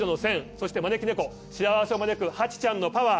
そして招き猫幸せを招くハチちゃんのパワー。